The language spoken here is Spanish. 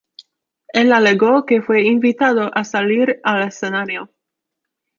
Él alegó que "fue invitado" a salir al escenario.